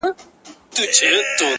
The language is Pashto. د شېخانو د ټگانو- د محل جنکۍ واوره-